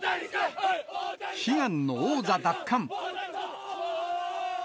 悲願の王座奪還。